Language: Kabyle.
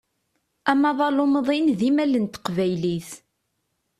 Amaḍal umḍin d imal n teqbaylit.